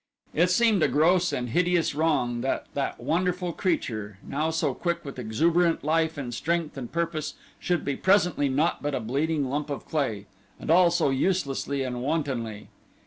It seemed a gross and hideous wrong that that wonderful creature, now so quick with exuberant life and strength and purpose should be presently naught but a bleeding lump of clay and all so uselessly and wantonly.